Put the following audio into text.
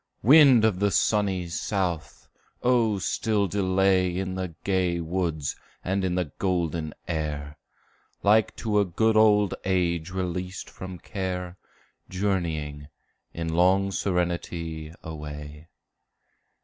Wind of the sunny south! oh still delay In the gay woods and in the golden air, Like to a good old age released from care, Journeying, in long serenity, away.